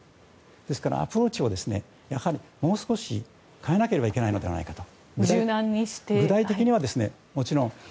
ですからアプローチをもう少し変えなければいけないのではないかと。